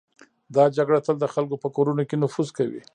دا جګړه تل د خلکو په کورونو کې نفوذ کوي.